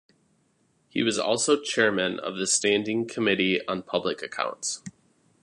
He was also chairman of the Standing Committee on Public Accounts.